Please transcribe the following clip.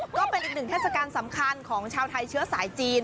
ก็เป็นอีกหนึ่งเทศกาลสำคัญของชาวไทยเชื้อสายจีน